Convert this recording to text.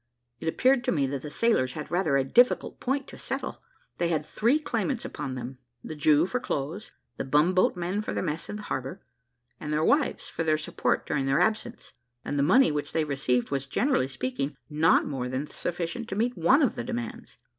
It appeared to me that the sailors had rather a difficult point to settle. They had three claimants upon them, the Jew for clothes, the bumboat men for their mess in harbour, and their wives for their support during their absence; and the money which they received was, generally speaking, not more than sufficient to meet one of the demands.